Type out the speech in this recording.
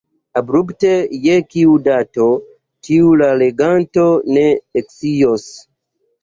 Abrupte je kiu dato, tion la leganto ne ekscios.